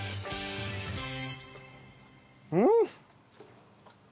うん！